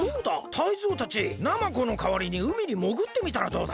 タイゾウたちナマコのかわりにうみにもぐってみたらどうだ？